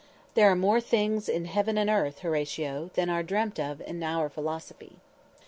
_"There are more things in heaven and earth, Horatio, Than are dreamt of in our philosophy."